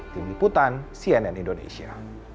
tim liputan cnn indonesia